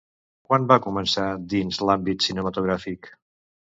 Quan va començar dins l'àmbit cinematogràfic?